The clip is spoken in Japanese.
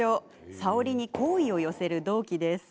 沙織に好意を寄せる同期です。